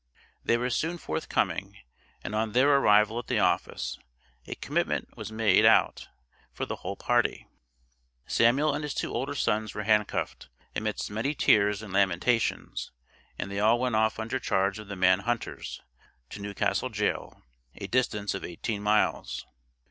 They were soon forthcoming, and on their arrival at the office, a commitment was made out for the whole party. Samuel and his two older sons were hand cuffed, amidst many tears and lamentations, and they all went off under charge of the man hunters, to New Castle jail, a distance of eighteen miles.